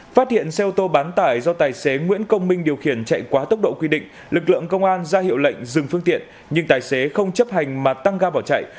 phát hiện xe ô tô bán tải do tài xế nguyễn công minh điều khiển chạy quá tốc độ quy định lực lượng công an ra hiệu lệnh dừng phương tiện nhưng tài xế không chấp hành mà tăng ga bỏ chạy